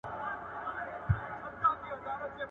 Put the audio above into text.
نو له هغوی څخه دا هیله نه سوای کېدلای